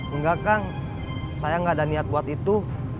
enggak kang saya gak ada niat buat itu